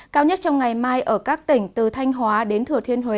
cao nhất trong ngày mai ở các tỉnh từ thanh hóa đến thừa thiên huế